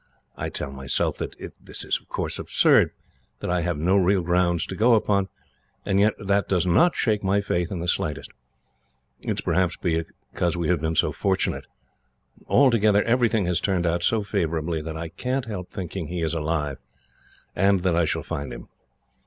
I tell myself that it is absurd, that I have no real grounds to go upon, and yet that does not shake my faith in the slightest. It is perhaps because we have been so fortunate. Altogether everything has turned out so favourably, that I can't help thinking he is alive, and that I shall find him.